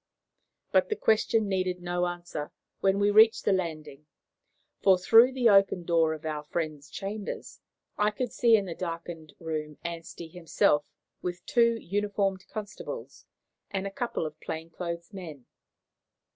But the question needed no answer when we reached the landing, for through the open door of our friend's chambers I could see in the darkened room Anstey himself with two uniformed constables and a couple of plain clothes men.